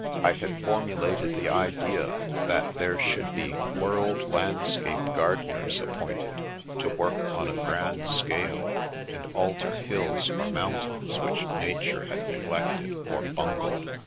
I had formulated the idea that there should be world landscape gar deners appointed, to work on a grand scale, and alter hills or mountains which Nature had neglected or bungled.